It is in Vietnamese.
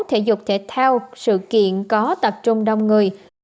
thể dục thể thao sự kiện có tập trung đông người